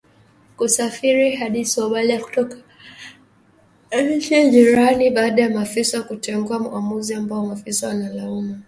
kusafiri hadi Somalia kutoka nchi jirani baada ya maafisa kutengua uamuzi ambao maafisa wanalaumu